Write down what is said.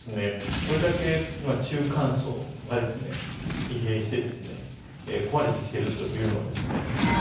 これだけ中間層が疲弊して壊れてきてるというのはですね